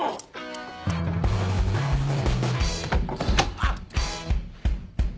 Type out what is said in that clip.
あっ！